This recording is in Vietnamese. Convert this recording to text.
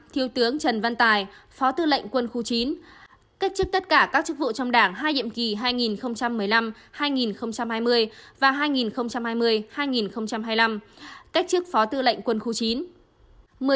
thiếu tướng trần văn tài phó tư lệnh quân khu chín cách chức tất cả các chức vụ trong đảng hai nhiệm kỳ hai nghìn một mươi năm hai nghìn hai mươi và hai nghìn hai mươi hai nghìn hai mươi năm cách chức phó tư lệnh quân khu chín